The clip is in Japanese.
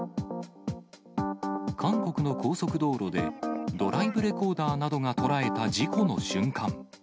韓国の高速道路で、ドライブレコーダーなどが捉えた事故の瞬間。